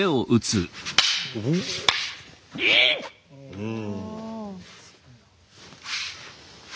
うん。